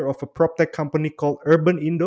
dari perusahaan proptech yang disebut urban indo